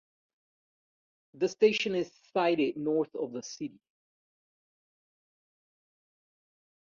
The station is sited north of the city.